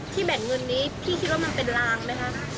แบ่งเงินนี้พี่คิดว่ามันเป็นรางไหมคะ